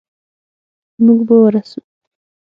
موږ به ورسو.